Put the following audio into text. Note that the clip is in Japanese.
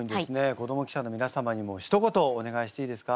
子ども記者のみなさまにもひと言お願いしていいですか？